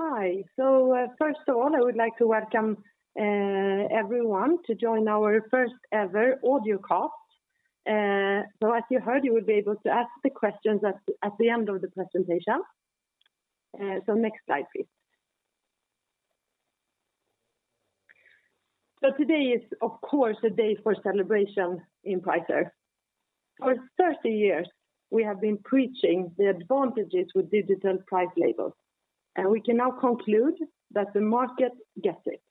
Hi. First of all, I would like to welcome everyone to join our first-ever audio cast. As you heard, you will be able to ask the questions at the end of the presentation. Next slide, please. Today is, of course, a day for celebration in Pricer. For 30 years, we have been preaching the advantages with digital price labels, and we can now conclude that the market gets it.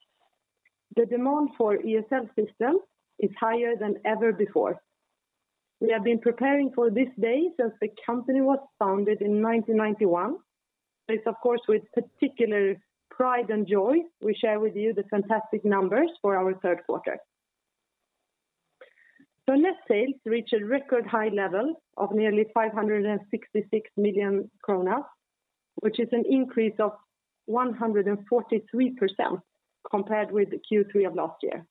The demand for ESL systems is higher than ever before. We have been preparing for this day since the company was founded in 1991. It's of course, with particular pride and joy we share with you the fantastic numbers for our third quarter. Net sales reached a record high level of nearly 566 million kronor, which is an increase of 143% compared with Q3 of last year.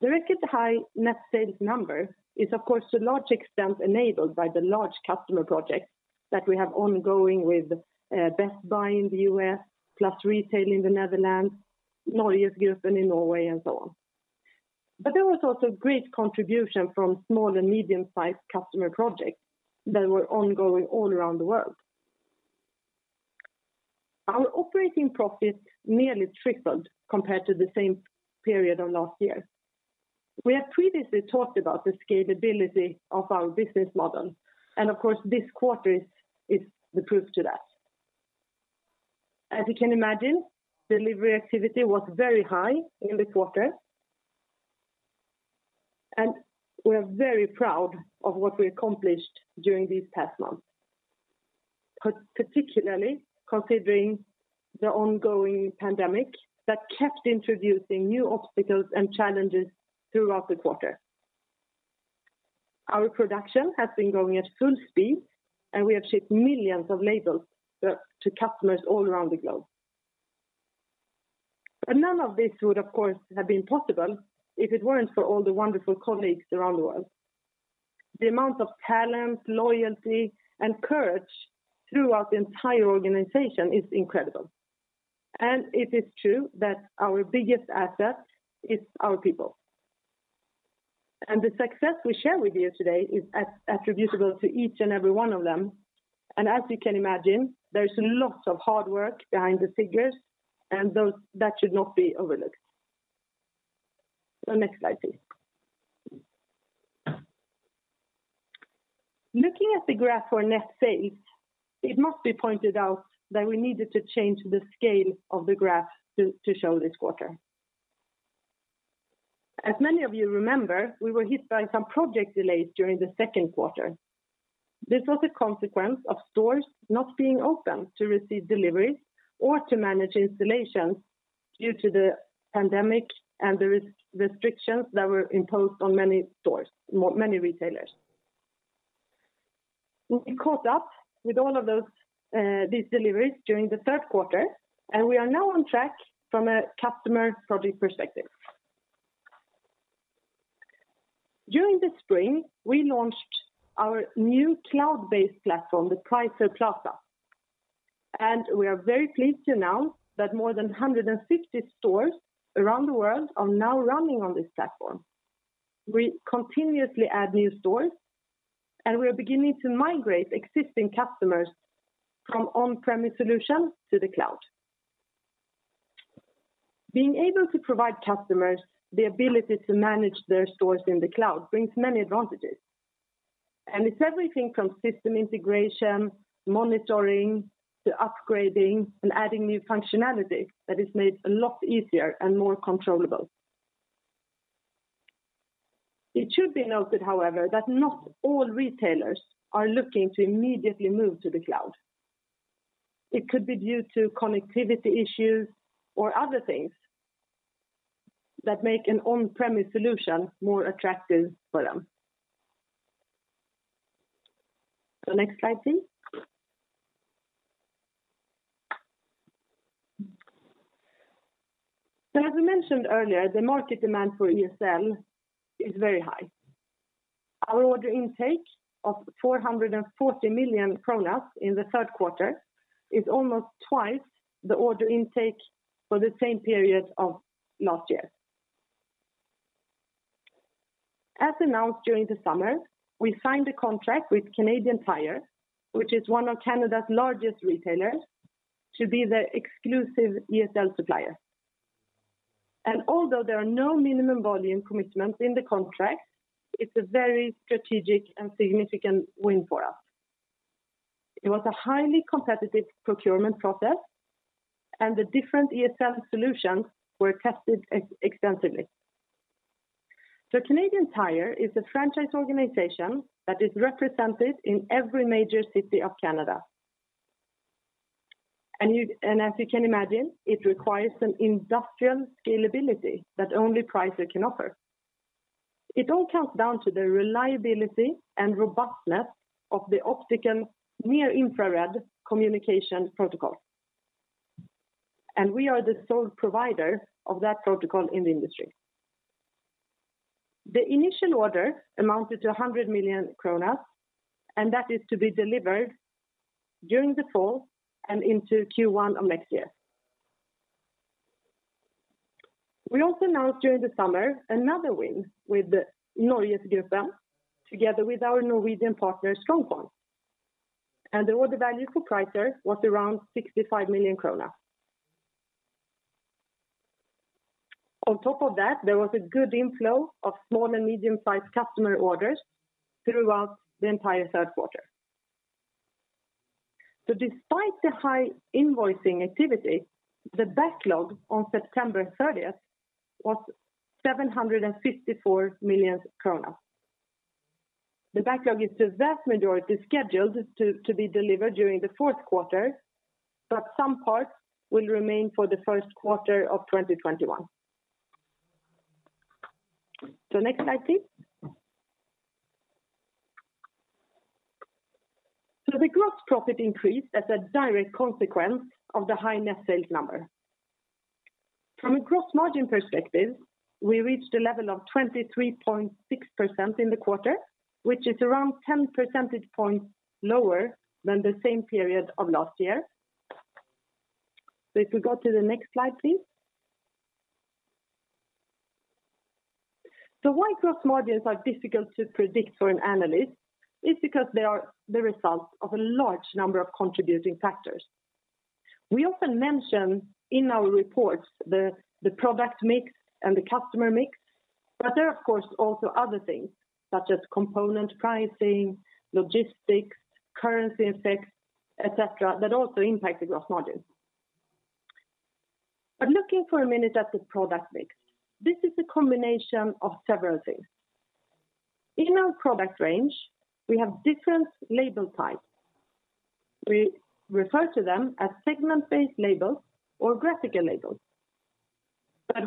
The record high net sales number is, of course, to a large extent enabled by the large customer projects that we have ongoing with Best Buy in the U.S., PLUS Retail in the Netherlands, NorgesGruppen in Norway, and so on. There was also great contribution from small and medium-sized customer projects that were ongoing all around the world. Our operating profit nearly tripled compared to the same period of last year. We have previously talked about the scalability of our business model, and of course this quarter is the proof to that. As you can imagine, delivery activity was very high in this quarter, and we are very proud of what we accomplished during these past months, particularly considering the ongoing pandemic that kept introducing new obstacles and challenges throughout the quarter. Our production has been going at full speed, and we have shipped millions of labels to customers all around the globe. None of this would, of course, have been possible if it weren't for all the wonderful colleagues around the world. The amount of talent, loyalty, and courage throughout the entire organization is incredible, and it is true that our biggest asset is our people. The success we share with you today is attributable to each and every one of them. As you can imagine, there's lots of hard work behind the figures, and that should not be overlooked. Next slide, please. Looking at the graph for net sales, it must be pointed out that we needed to change the scale of the graph to show this quarter. As many of you remember, we were hit by some project delays during the second quarter. This was a consequence of stores not being open to receive deliveries or to manage installations due to the pandemic and the restrictions that were imposed on many retailers. We caught up with all of these deliveries during the third quarter, and we are now on track from a customer project perspective. During the spring, we launched our new cloud-based platform, the Pricer Plaza, and we are very pleased to announce that more than 150 stores around the world are now running on this platform. We continuously add new stores, and we are beginning to migrate existing customers from on-premise solutions to the cloud. Being able to provide customers the ability to manage their stores in the cloud brings many advantages, and it's everything from system integration, monitoring, to upgrading and adding new functionality that is made a lot easier and more controllable. It should be noted, however, that not all retailers are looking to immediately move to the cloud. It could be due to connectivity issues or other things that make an on-premise solution more attractive for them. Next slide, please. As we mentioned earlier, the market demand for ESL is very high. Our order intake of 440 million kronor in the Q3 is almost twice the order intake for the same period of last year. As announced during the summer, we signed a contract with Canadian Tire, which is one of Canada's largest retailers, to be the exclusive ESL supplier. Although there are no minimum volume commitments in the contract, it's a very strategic and significant win for us. It was a highly competitive procurement process, and the different ESL solutions were tested extensively. Canadian Tire is a franchise organization that is represented in every major city of Canada. As you can imagine, it requires an industrial scalability that only Pricer can offer. It all comes down to the reliability and robustness of the optical near-infrared communication protocol, and we are the sole provider of that protocol in the industry. The initial order amounted to 100 million kronor, and that is to be delivered during the fall and into Q1 of next year. We also announced during the summer another win with NorgesGruppen, together with our Norwegian partner StrongPoint, and the order value for Pricer was around 65 million krona. On top of that, there was a good inflow of small and medium-sized customer orders throughout the entire third quarter. Despite the high invoicing activity, the backlog on September 30th was 754 million kronor. The backlog is the vast majority scheduled to be delivered during the Q4, but some parts will remain for the Q1 of 2021. Next slide, please. The gross profit increased as a direct consequence of the high net sales number. From a gross margin perspective, we reached a level of 23.6% in the quarter, which is around 10 percentage points lower than the same period of last year. If we go to the next slide, please. Why gross margins are difficult to predict for an analyst is because they are the result of a large number of contributing factors. We often mention in our reports the product mix and the customer mix, but there are, of course, also other things such as component pricing, logistics, currency effects, et cetera, that also impact the gross margin. Looking for a minute at the product mix, this is a combination of several things. In our product range, we have different label types. We refer to them as segment-based labels or graphical labels.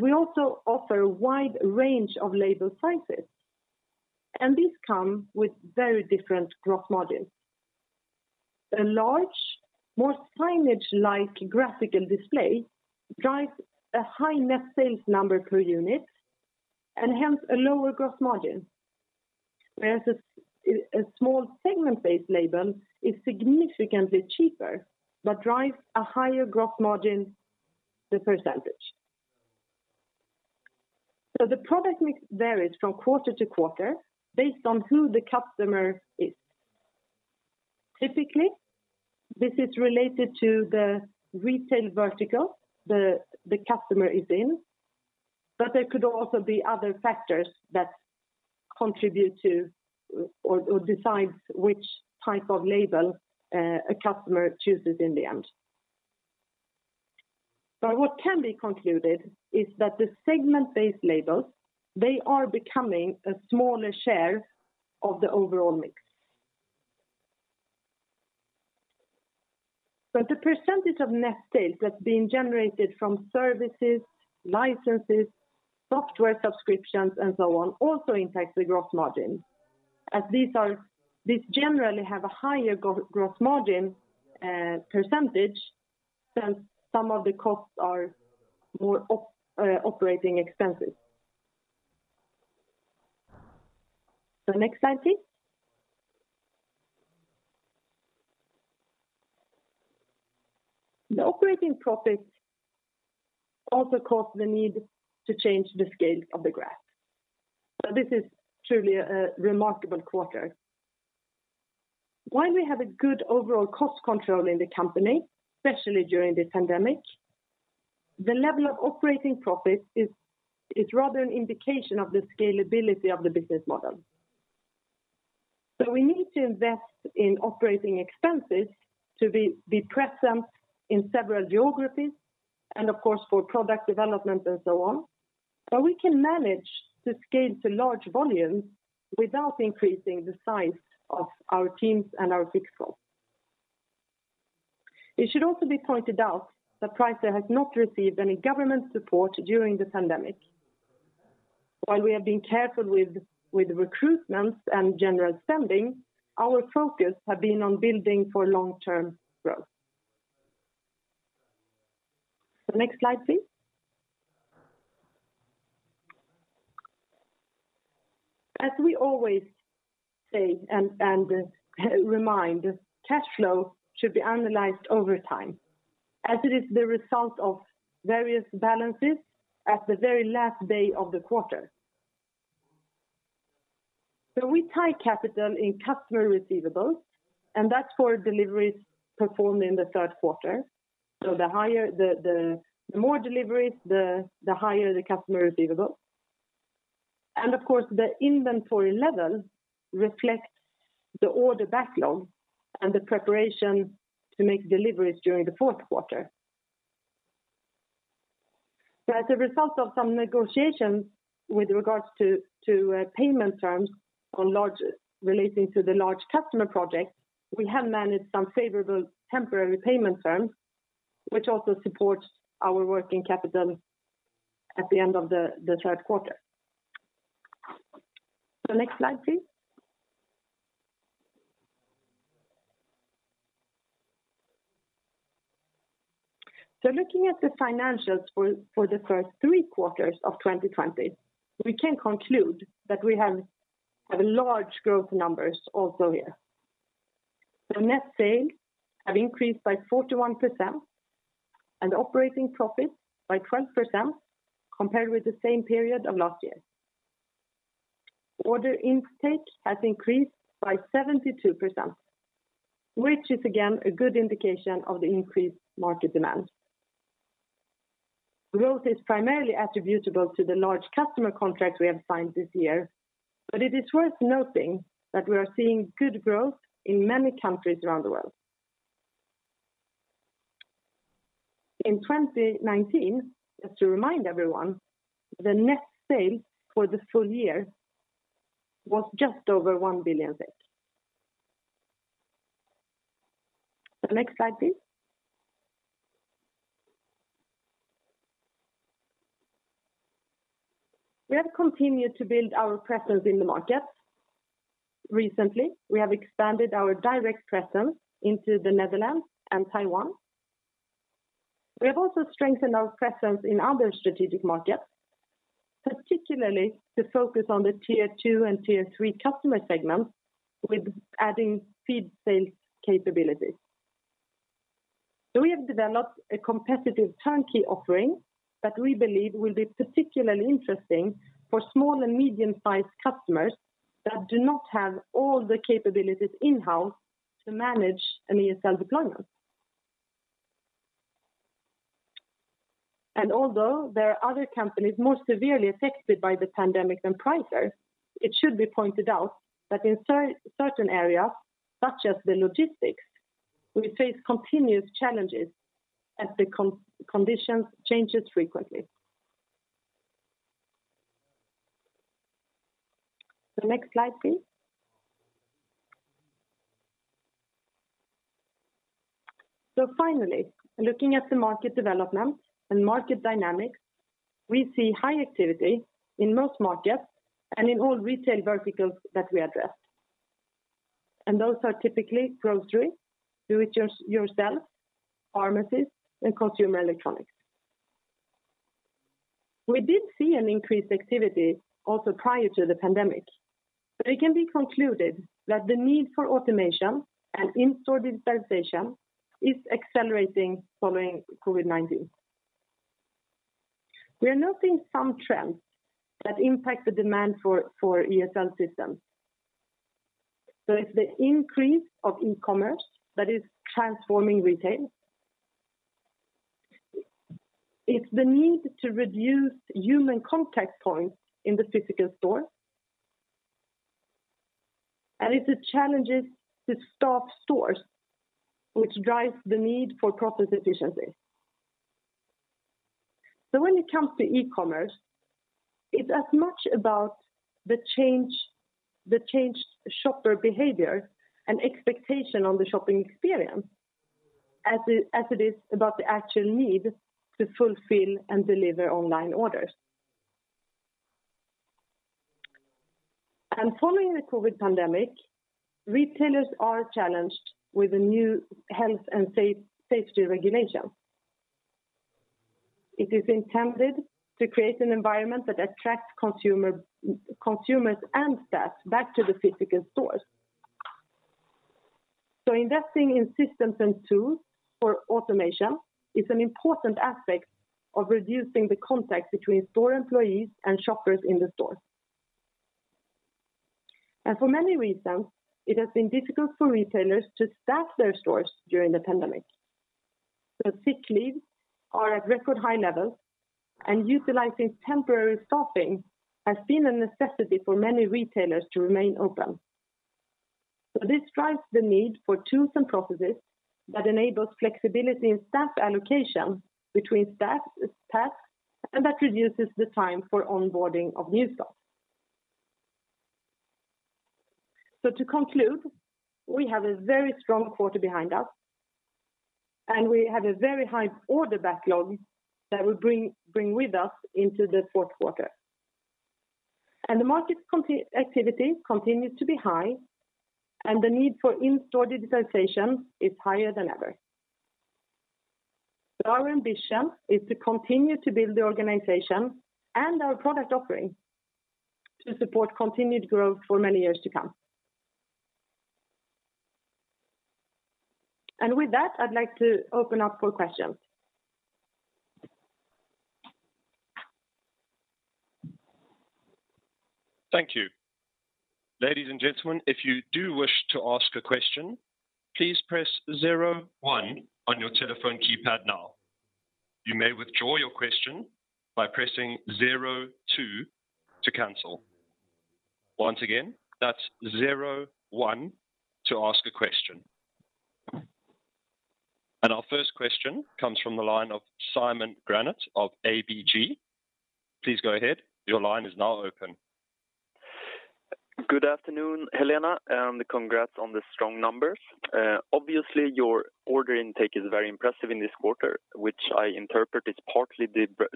We also offer a wide range of label sizes, and these come with very different gross margins. A large, more signage-like graphical display drives a high net sales number per unit, and hence a lower gross margin. Whereas a small segment-based label is significantly cheaper but drives a higher gross margin, the percentage. The product mix varies from quarter to quarter based on who the customer is. Typically, this is related to the retail vertical the customer is in, but there could also be other factors that contribute to or decide which type of label a customer chooses in the end. What can be concluded is that the segment-based labels, they are becoming a smaller share of the overall mix. The percentage of net sales that is being generated from services, licenses, software subscriptions, and so on also impacts the gross margin, as these generally have a higher gross margin percentage, since some of the costs are more operating expenses. Next slide, please. The operating profits also caused the need to change the scale of the graph. This is truly a remarkable quarter. While we have a good overall cost control in the company, especially during the pandemic, the level of operating profit is rather an indication of the scalability of the business model. We need to invest in operating expenses to be present in several geographies, and of course, for product development and so on. We can manage to scale to large volumes without increasing the size of our teams and our fixed costs. It should also be pointed out that Pricer has not received any government support during the pandemic. While we have been careful with recruitments and general spending, our focus has been on building for long-term growth. Next slide, please. As we always say and remind, cash flow should be analyzed over time, as it is the result of various balances at the very last day of the quarter. We tie capital in customer receivables, and that's for deliveries performed in the third quarter. The more deliveries, the higher the customer receivables. Of course, the inventory level reflects the order backlog and the preparation to make deliveries during the fourth quarter. As a result of some negotiations with regards to payment terms relating to the large customer projects, we have managed some favorable temporary payment terms, which also supports our working capital at the end of the third quarter. Next slide, please. Looking at the financials for the first three quarters of 2020, we can conclude that we have large growth numbers also here. Net sales have increased by 41% and operating profit by 12% compared with the same period of last year. Order intake has increased by 72%, which is again a good indication of the increased market demand. Growth is primarily attributable to the large customer contracts we have signed this year, but it is worth noting that we are seeing good growth in many countries around the world. In 2019, just to remind everyone, the net sales for the full year was just over SEK 1 billion. Next slide, please. We have continued to build our presence in the market. Recently, we have expanded our direct presence into the Netherlands and Taiwan. We have also strengthened our presence in other strategic markets, particularly to focus on the tier 2 and tier 3 customer segments with adding field sales capabilities. We have developed a competitive turnkey offering that we believe will be particularly interesting for small and medium-sized customers that do not have all the capabilities in-house to manage an ESL deployment. Although there are other companies more severely affected by the pandemic than Pricer, it should be pointed out that in certain areas, such as the logistics, we face continuous challenges as the condition changes frequently. Next slide, please. Finally, looking at the market development and market dynamics, we see high activity in most markets and in all retail verticals that we address. Those are typically grocery, do it yourself, pharmacies, and consumer electronics. We did see an increased activity also prior to the pandemic, but it can be concluded that the need for automation and in-store digitalization is accelerating following COVID-19. We are noting some trends that impact the demand for ESL systems. It's the increase of e-commerce that is transforming retail. It's the need to reduce human contact points in the physical store. It's the challenges to staff stores, which drives the need for process efficiency. When it comes to e-commerce, it's as much about the changed shopper behavior and expectation on the shopping experience as it is about the actual need to fulfill and deliver online orders. Following the COVID pandemic, retailers are challenged with the new health and safety regulations. It is intended to create an environment that attracts consumers and staff back to the physical stores. Investing in systems and tools for automation is an important aspect of reducing the contact between store employees and shoppers in the store. For many reasons, it has been difficult for retailers to staff their stores during the pandemic. Sick leave are at record high levels, and utilizing temporary staffing has been a necessity for many retailers to remain open. This drives the need for tools and processes that enables flexibility in staff allocation between tasks, and that reduces the time for onboarding of new staff. To conclude, we have a very strong quarter behind us, and we have a very high order backlog that we bring with us into the fourth quarter. The market activity continues to be high, and the need for in-store digitization is higher than ever. Our ambition is to continue to build the organization and our product offering to support continued growth for many years to come. With that, I'd like to open up for questions. Thank you. Ladies and gentlemen, if you do wish to ask a question, please press zero one on your telephone keypad now. You may withdraw your question by pressing zero two to cancel. Once again, that's zero one to ask a question. Our first question comes from the line of Simon Granath of ABG. Please go ahead. Your line is now open. Good afternoon, Helena, and congrats on the strong numbers. Obviously, your order intake is very impressive in this quarter, which I interpret is partly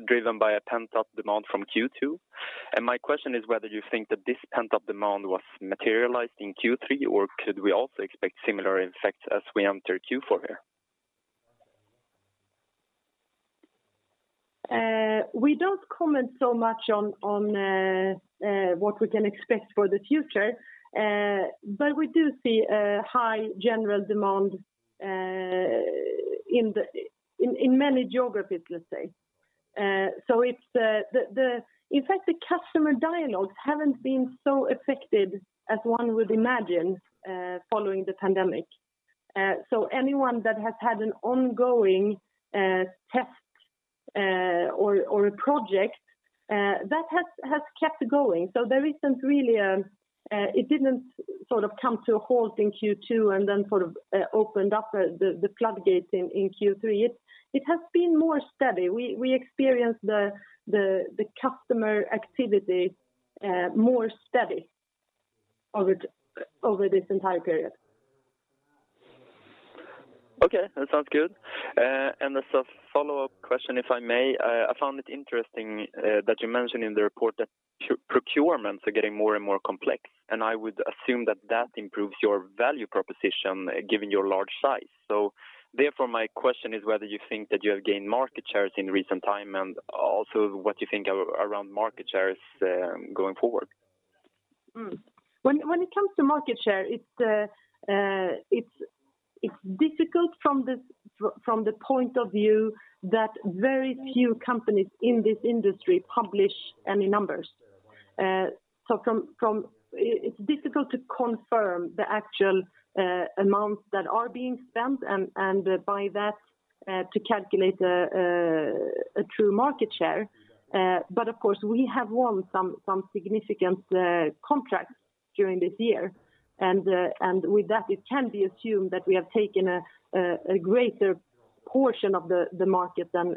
driven by a pent-up demand from Q2. My question is whether you think that this pent-up demand was materialized in Q3, or could we also expect similar effects as we enter Q4 here? We don't comment so much on what we can expect for the future. We do see a high general demand in many geographies, let's say. In fact, the customer dialogues haven't been so affected as one would imagine following the pandemic. Anyone that has had an ongoing test or a project, that has kept going. It didn't come to a halt in Q2 and then opened up the floodgate in Q3. It has been more steady. We experienced the customer activity more steady over this entire period. Okay, that sounds good. As a follow-up question, if I may, I found it interesting that you mentioned in the report that procurements are getting more and more complex, and I would assume that that improves your value proposition, given your large size. Therefore my question is whether you think that you have gained market shares in recent time, and also what you think around market shares going forward. When it comes to market share, it's difficult from the point of view that very few companies in this industry publish any numbers. It's difficult to confirm the actual amounts that are being spent and by that to calculate a true market share. Of course, we have won some significant contracts during this year, and with that it can be assumed that we have taken a greater portion of the market than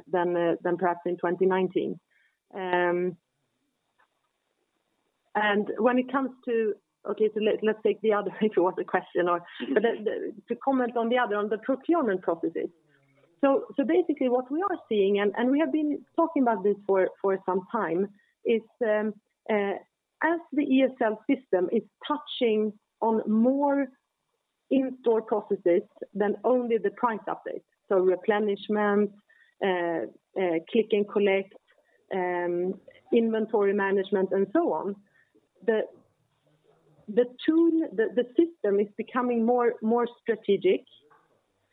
perhaps in 2019. Let's take the other, if it was a question or to comment on the other, on the procurement processes. Basically what we are seeing, and we have been talking about this for some time, is as the ESL system is touching on more in-store processes than only the price updates. Replenishment, click and collect, inventory management and so on. The system is becoming more strategic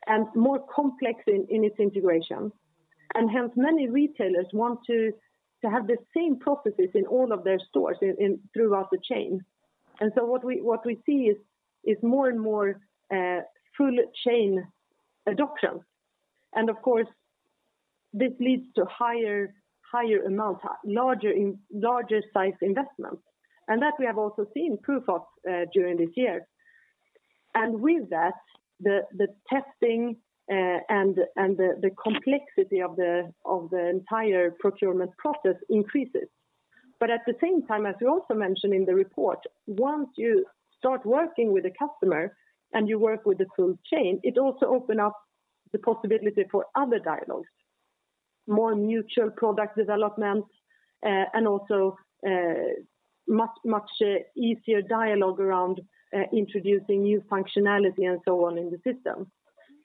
and more complex in its integration. Hence many retailers want to have the same processes in all of their stores throughout the chain. What we see is more and more full chain adoption. Of course, this leads to larger size investments. That we have also seen proof of during this year. With that, the testing and the complexity of the entire procurement process increases. At the same time, as we also mentioned in the report, once you start working with a customer and you work with the full chain, it also open up the possibility for other dialogues. More mutual product development, and also much easier dialogue around introducing new functionality and so on in the system.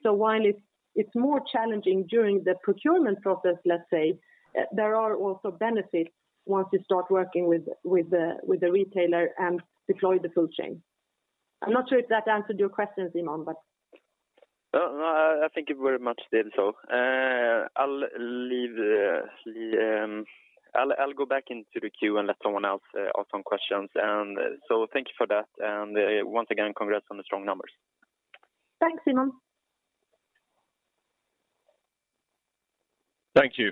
While it's more challenging during the procurement process, let's say, there are also benefits once you start working with the retailer and deploy the full chain. I'm not sure if that answered your question, Simon. No, I think it very much did so. I'll go back into the queue and let someone else ask some questions. Thank you for that. Once again, congrats on the strong numbers. Thanks, Simon. Thank you.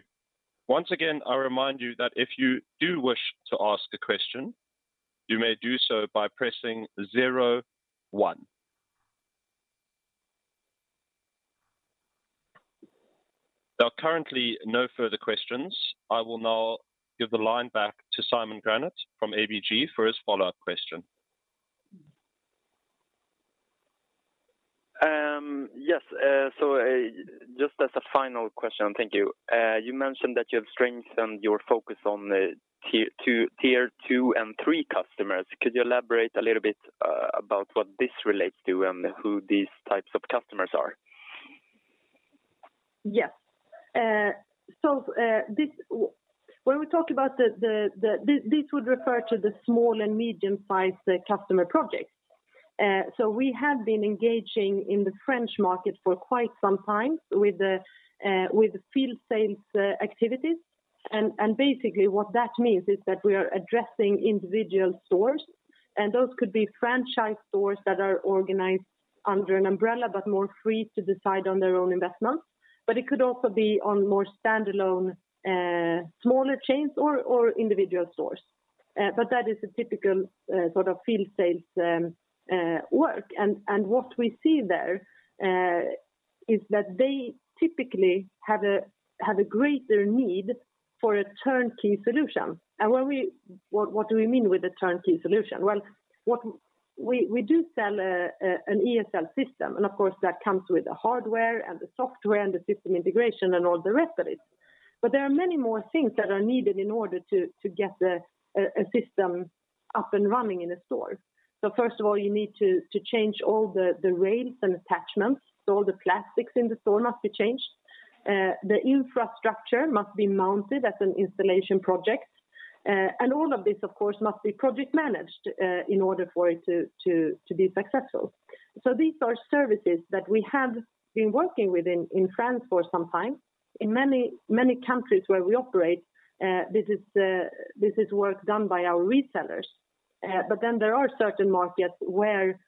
Once again, I remind you that if you do wish to ask a question, you may do so by pressing zero one. There are currently no further questions. I will now give the line back to Simon Granath from ABG for his follow-up question. Yes. Just as a final question. Thank you. You mentioned that you have strengthened your focus on tier 2 and 3 customers. Could you elaborate a little bit about what this relates to and who these types of customers are? This would refer to the small and medium-sized customer projects. We have been engaging in the French market for quite some time with field sales activities. Basically what that means is that we are addressing individual stores, and those could be franchise stores that are organized under an umbrella, but more free to decide on their own investments. It could also be on more standalone, smaller chains or individual stores. That is a typical field sales work. What we see there is that they typically have a greater need for a turnkey solution. What do we mean with a turnkey solution? We do sell an ESL system, of course that comes with the hardware and the software and the system integration and all the rest of it. There are many more things that are needed in order to get a system up and running in a store. First of all, you need to change all the rails and attachments, all the plastics in the store must be changed. The infrastructure must be mounted as an installation project. All of this, of course, must be project managed in order for it to be successful. These are services that we have been working with in France for some time. In many countries where we operate, this is work done by our resellers. There are certain markets where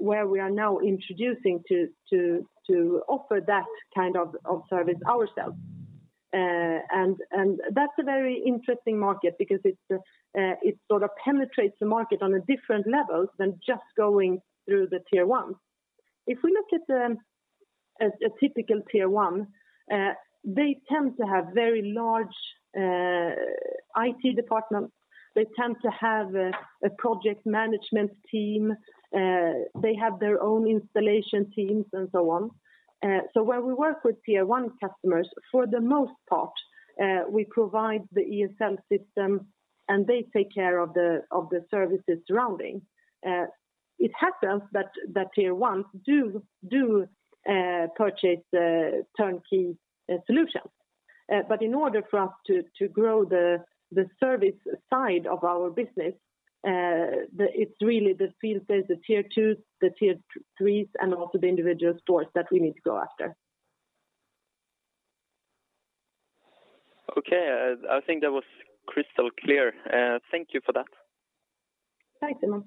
we are now introducing to offer that kind of service ourselves. That's a very interesting market because it sort of penetrates the market on a different level than just going through the tier 1s. If we look at a typical tier 1, they tend to have very large IT departments. They tend to have a project management team. They have their own installation teams and so on. Where we work with tier 1 customers, for the most part, we provide the ESL system, and they take care of the services surrounding. It happens that tier 1s do purchase turnkey solutions. In order for us to grow the service side of our business, it's really the field-based, the tier 2s, the tier 3s, and also the individual stores that we need to go after. Okay. I think that was crystal clear. Thank you for that. Thanks, Simon.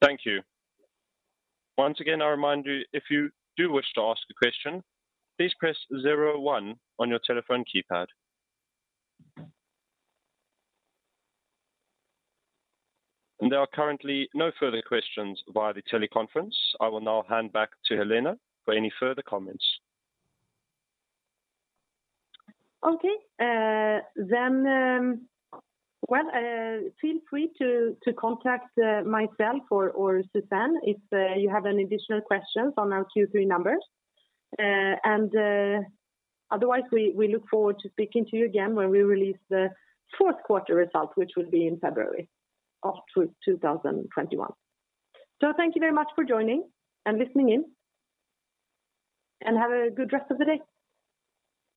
Thank you. Once again, I remind you, if you do wish to ask a question, please press zero one on your telephone keypad. There are currently no further questions via the teleconference. I will now hand back to Helena for any further comments. Okay. Well, feel free to contact myself or Susanne if you have any additional questions on our Q3 numbers. Otherwise, we look forward to speaking to you again when we release the fourth quarter results, which will be in February of 2021. Thank you very much for joining and listening in, and have a good rest of the day.